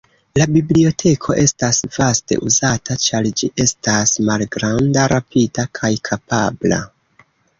La biblioteko estas vaste uzata, ĉar ĝi estas malgranda, rapida kaj kapabla.